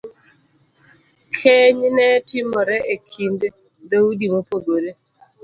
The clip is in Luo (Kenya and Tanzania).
Keny ne timore e kind dhoudi mopogore .